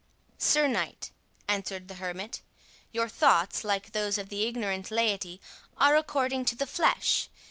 "Sir Knight," answered the hermit, "your thoughts, like those of the ignorant laity, are according to the flesh.